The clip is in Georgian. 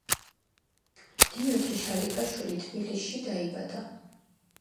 დიმიტრი შალიკაშვილი თბილისში დაიბადა.